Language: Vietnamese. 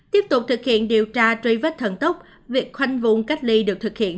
tiếp tục thực hiện điều tra truy vết thần tốc việc khoanh vùng cách ly được thực hiện